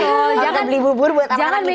jangan bikin pakai plastik gitu ya